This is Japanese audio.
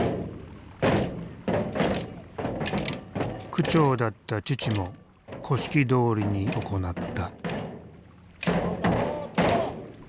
区長だった父も古式どおりに行った。